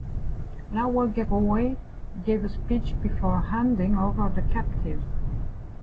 Lawoughqua gave a speech before handing over the captives.